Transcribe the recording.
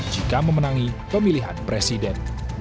jika memenangi pemilihan presiden